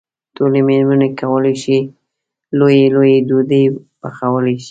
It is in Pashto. ټولې مېرمنې کولای شي لويې لويې ډوډۍ پخولی شي.